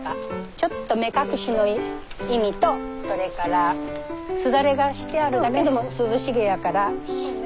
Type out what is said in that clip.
ちょっと目隠しの意味とそれからすだれがしてあるだけでも涼しげやから。